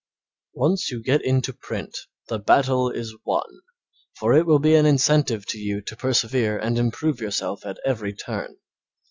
Once you get into print the battle is won, for it will be an incentive to you to persevere and improve yourself at every turn.